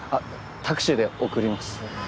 タクシーで送ります。